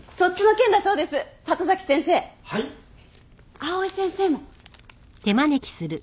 藍井先生も。